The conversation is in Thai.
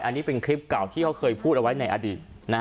อันนี้เป็นคลิปเก่าที่เขาเคยพูดเอาไว้ในอดีต